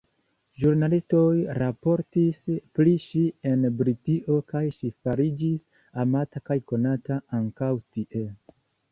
Ĵurnalistoj raportis pri ŝi en Britio kaj ŝi fariĝis amata kaj konata ankaŭ tie.